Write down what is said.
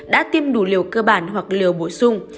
đã tiêm đủ liều cơ bản hoặc liều bổ sung